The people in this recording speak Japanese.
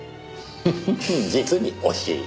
フフフ実に惜しい。